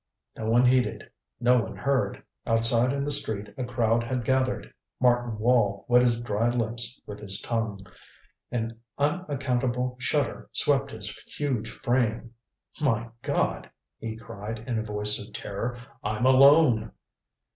No one heeded. No one heard. Outside in the street a crowd had gathered. Martin Wall wet his dry lips with his tongue. An unaccountable shudder swept his huge frame. "My God " he cried in a voice of terror, "I'm alone!"